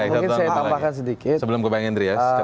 mungkin saya tambahkan sedikit sebelum ke bang hendry ya